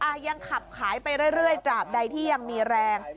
ยังขับขายไปเรื่อยตราบใดที่ยังมีแรง